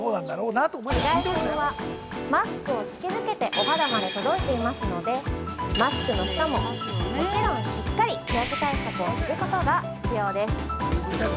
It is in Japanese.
紫外線はマスクを突き抜けてお肌まで届いていますので、マスクの下も、もちろんしっかり日焼け対策をすることが必要です。